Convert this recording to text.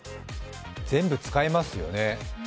全部使いますよね。